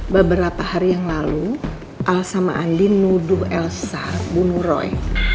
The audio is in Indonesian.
beberapa hari yang lalu al sama andin nuduh elsa bunuh roy